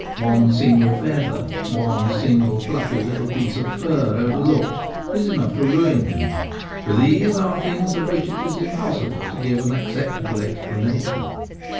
One single feather, one single fluffy little piece of fur overlooked, is enough to ruin him, for these are things of which it is impossible to give an acceptable explanation.